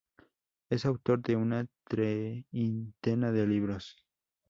Es autor de una treintena de libros.